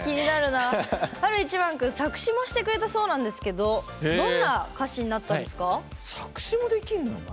晴いちばん君、作詞もしてくれたそうなんですけどどんな歌詞になったんですか？